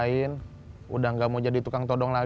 dia kurang paham alas jadi tetuan anti tretna